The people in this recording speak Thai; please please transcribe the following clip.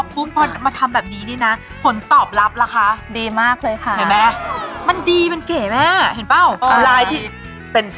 วุ้นพวกนี้มันในละเอียดะอุ้มนะครับ